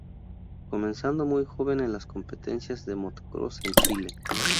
Comenzando muy joven en las competencias de Motocross en Chile.